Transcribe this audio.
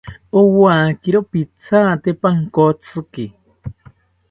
Owakiro pithate pankotziki